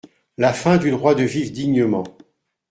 La fin du droit de vivre dignement ».